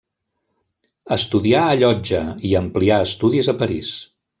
Estudià a Llotja i amplià estudis a París.